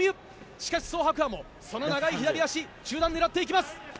しかし、ソ・ハクアもその長い右足中段狙っていきます。